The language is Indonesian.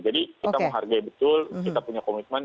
jadi kita menghargai betul kita punya komitmen